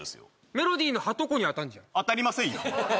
メロディのはとこに当たんじゃん当たりませんよ